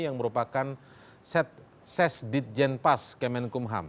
yang merupakan ses ditjen pas kemenkum ham